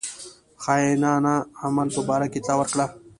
خاینانه عمل په باره کې اطلاع ورکړه.